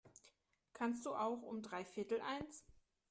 Kannst du auch um dreiviertel eins?